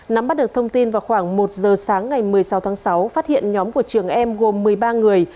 nắm bắt được thông tin vào khoảng một giờ sáng ngày một mươi sáu tháng sáu phát hiện nhóm của trường em gồm một mươi ba người